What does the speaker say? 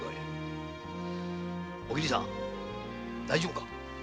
お桐さん大丈夫か？